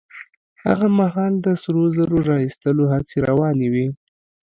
هغه مهال د سرو زرو را ايستلو هڅې روانې وې.